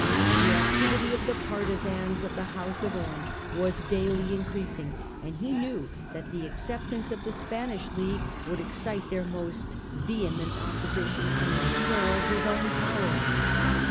The activity of the partisans of the House of Orange was daily increasing ; and he Difficulties k new ^ iat the acceptance of the Spanish league of De Witt, would excite their most vehement opposition and imperil his own power.